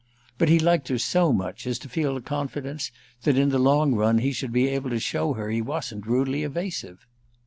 But he liked her so much as to feel a confidence that in the long run he should be able to show her he wasn't rudely evasive.